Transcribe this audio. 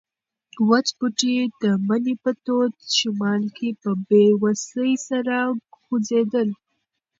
وچ بوټي د مني په تود شمال کې په بې وسۍ سره خوځېدل.